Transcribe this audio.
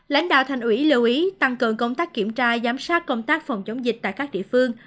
lãnh đạo thành ủy lưu ý tăng cường công tác kiểm tra giám sát công tác phòng chống dịch tại các địa phương